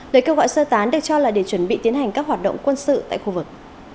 lời kêu gọi sơ tán được cho là để chuẩn bị tiến hành các hoạt động quân sự tại khu vực